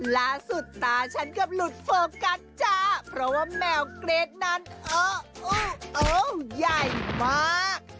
ล่าสุดตาฉันเกือบหลุดโฟกัสจ้าเพราะว่าแมวเกรดนั้นโอ้ใหญ่มาก